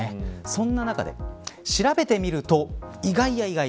そんな中で、調べてみると意外や意外。